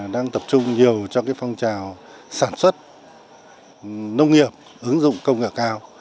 đang tập trung nhiều cho phong trào sản xuất nông nghiệp ứng dụng công nghệ cao